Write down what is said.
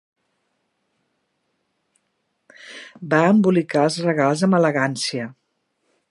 Va embolicar els regals amb elegància.